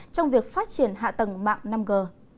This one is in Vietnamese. trong việc phát triển hạ tầng mạng năm g